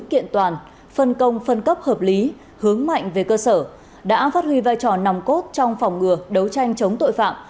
kiện toàn phân công phân cấp hợp lý hướng mạnh về cơ sở đã phát huy vai trò nòng cốt trong phòng ngừa đấu tranh chống tội phạm